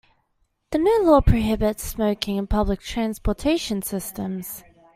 The new law prohibits smoking in public transportation systems.